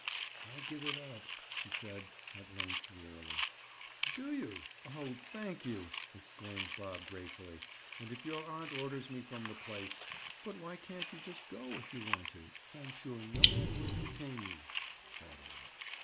"I give it up," she said at length wearily. "Do you? Oh, thank you!" exclaimed Bob gratefully. "And if your aunt orders me from the place—" "But why can't you just go, if you want to? I'm sure no one will detain you." Haughtily.